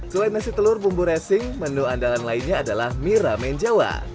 selain nasi telur bumbu resing menu andalan lainnya adalah mie ramen jawa